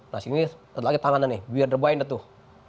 nah sini lagi tangannya nih biar rebahin deh tuh